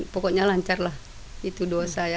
pokoknya lancar lah itu doa saya